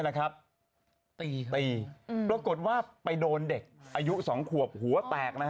ปรากฏว่าไปโดนเด็กอายุ๒ขวบหัวแตก